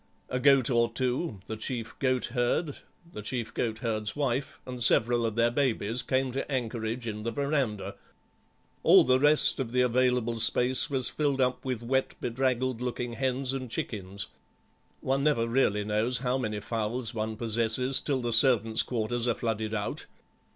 A goat or two, the chief goat herd, the chief goat herd's wife, and several of their babies came to anchorage in the verandah. All the rest of the available space was filled up with wet, bedraggled looking hens and chickens; one never really knows how many fowls one possesses till the servants' quarters are flooded out.